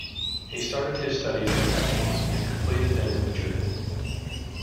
He started his studies in Panama and completed them in Madrid.